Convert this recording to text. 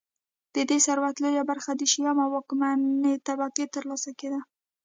د دې ثروت لویه برخه د شیام او واکمنې طبقې ترلاسه کېده